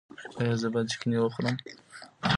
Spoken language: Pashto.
ایا زه باید چکنی وخورم؟